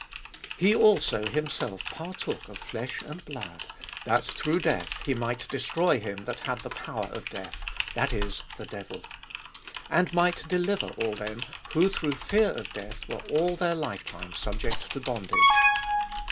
He also Himself partook of flesh and blood, that through death He might destroy him that had the power of death, that is, the devil. And might deliver all them who, through fear of death were all their lifetime subject to bondage.